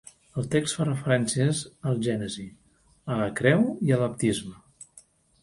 El text fa referències al Gènesi, a la creu i al baptisme.